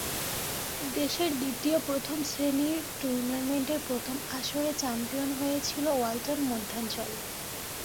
দেশের দ্বিতীয় প্রথম শ্রেণীর টুর্নামেন্টের প্রথম আসরে চ্যাম্পিয়ন হয়েছিল ওয়ালটন মধ্যাঞ্চল।